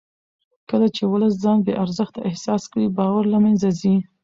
کله چې ولس ځان بې ارزښته احساس کړي باور له منځه ځي